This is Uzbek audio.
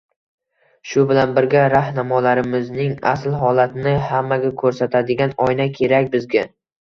“Shu bilan birga rahnamolarimizning asl holatini hammaga ko‘rsatadigan oyna kerak bizga!